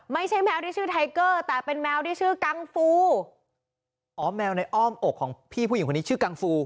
ไม่ใช่แมวที่ชื่อไทเกอร์แต่เป็นแมวที่ชื่อกังฟูอ๋อแมวในอ้อมอกของพี่ผู้หญิงคนนี้ชื่อกังฟู